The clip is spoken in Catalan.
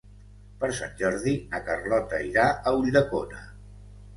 Per Sant Jordi na Carlota irà a Ulldecona.